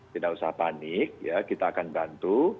tidak usah panik ya kita akan bantu